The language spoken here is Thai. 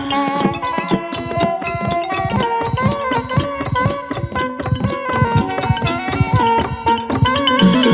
กลับมารับทราบ